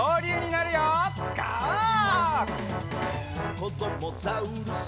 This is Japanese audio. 「こどもザウルス